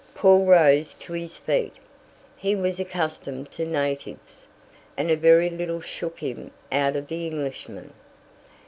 Paul rose to his feet. He was accustomed to natives, and a very little shook him out of the Englishman.